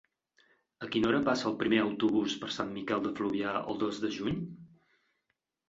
A quina hora passa el primer autobús per Sant Miquel de Fluvià el dos de juny?